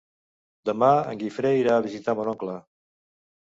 Demà en Guifré irà a visitar mon oncle.